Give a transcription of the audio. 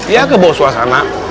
ya kebawah suasana